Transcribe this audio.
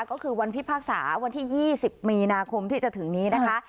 ก็คือวันพิพากษาวันที่๒๐มีนาคมที่จะถึงนี้นะคะ